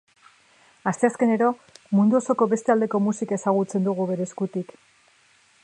Asteazkenero mundu osoko beste aldeko musika ezagutzen dugu bere eskutik.